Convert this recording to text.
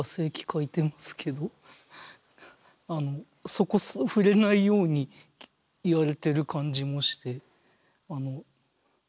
そこ触れないように言われてる感じもして。